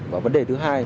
và vấn đề thứ hai